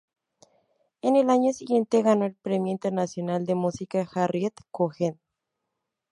En el año siguiente ganó el Premio Internacional de Música Harriet Cohen.